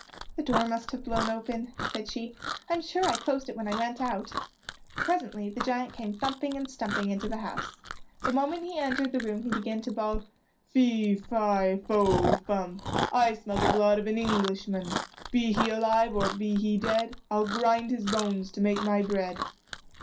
"The door must have blown open," said she. "I'm sure I closed it when I went out." Presently the giant came thumping and stumping into the house. The moment he entered the room he began to bawl— "Fee, fi, fo, fum! I smell the blood of an Englishman; Be he alive or be he dead, I'll grind his bones to make my bread."